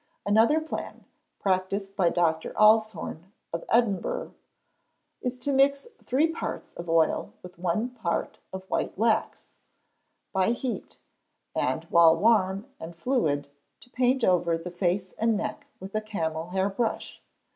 Another plan, practised by Dr. Allshorn, of Edinburgh, is to mix three parts of oil with one of white wax, by heat, and while warm and fluid to paint over the face and neck with a camel hair brush.